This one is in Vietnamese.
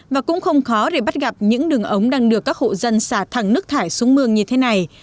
và cũng không khó để bắt gặp những đường ống đang được các hộ dân xả thẳng nước thải xuống mương như thế này